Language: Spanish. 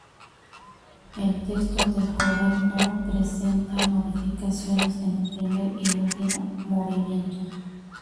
El texto del coral no presenta modificaciones en el primer y último movimientos.